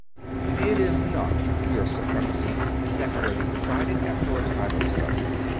"It is not, Your Supremacy," that worthy decided, after a time of study.